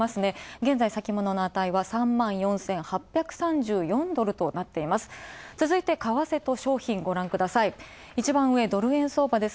現在、先物の値は３万４８３４ドルとなっています。